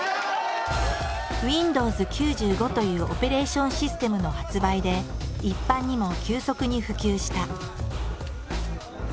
「Ｗｉｎｄｏｗｓ９５」というオペレーションシステムの発売で一般にも急速に普及した。